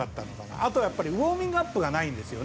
あとはウォーミングアップがないんです。